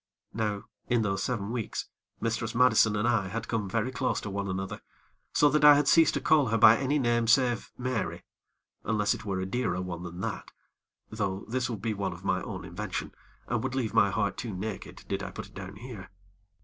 Now in those seven weeks, Mistress Madison and I had come very close to one another, so that I had ceased to call her by any name save Mary, unless it were a dearer one than that; though this would be one of my own invention, and would leave my heart too naked did I put it down here.